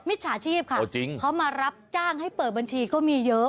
จฉาชีพค่ะเขามารับจ้างให้เปิดบัญชีก็มีเยอะ